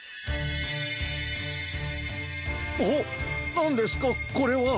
なんですかこれは！？